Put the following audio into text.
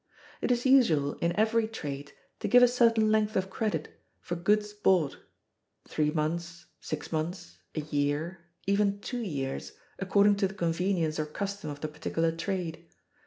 It is usual in every trade to give a certain length of credit for goods bought: three months, six months, a year, even two years, according to the convenience or custom of the particular trade.